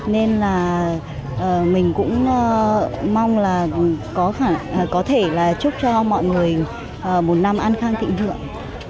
nên là mình cũng mong là có thể là chúc cho mọi người một năm an khang thịnh vượng